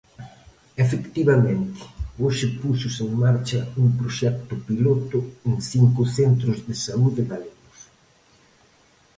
Efectivamente, hoxe púxose en marcha un proxecto piloto en cinco centros de saúde galegos.